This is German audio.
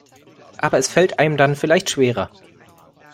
Aber es fällt einem dann vielleicht schwerer.